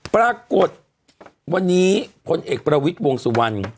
ปรากฏวันนี้พลเอกประวิทย์วงสุวรรณ